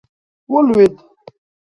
ولوېد.